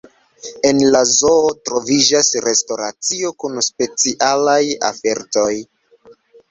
En la zoo troviĝas restoracio kun specialaj ofertoj.